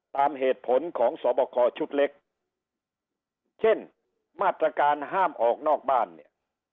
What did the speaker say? ตามเหตุผลของสอบคอชุดเล็กเช่นมาตรการห้ามออกนอกบ้านเนี่ย